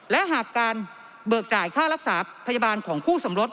และหากการเบิกจ่ายค่ารักษาพยาบาลของคู่สมรส